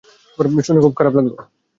শুনে খুব খারাপ লাগলো।